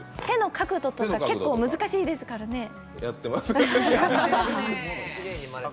手の角度とか結構、難しいですからね。